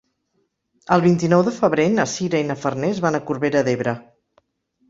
El vint-i-nou de febrer na Sira i na Farners van a Corbera d'Ebre.